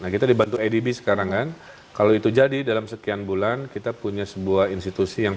nah kita dibantu adb sekarang kan kalau itu jadi dalam sekian bulan kita punya sebuah institusi yang